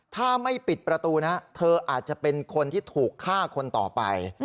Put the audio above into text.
ถ้าไม่ปิดประตูนะเธออาจจะเป็นคนที่ถูกฆ่าคนต่อไป